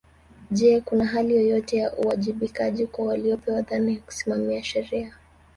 Je kuna hali yoyote ya uwajibikaji kwa waliopewa dhana ya kusimamia sheria